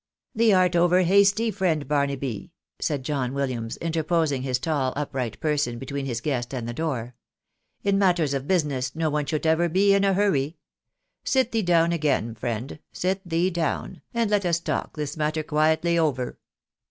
" Thee art over hasty, friend Barnaby," said John Williams, interposing his tall, upright person between his guest and the door. " In matters of business no one should ever be in a hurry. Sit thee down again, friend, sit thee down, and let us talk this matter quietly over."